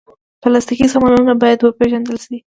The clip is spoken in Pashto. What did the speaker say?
پلاستيکي سامانونه باید وپېژندل شي.